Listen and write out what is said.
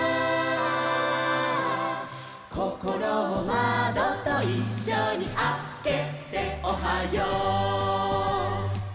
「こころをまどといっしょにあけておはよう！」